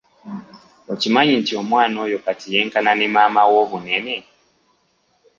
Okimanyi nti omwana oyo kati yenkana ne maama we obunene?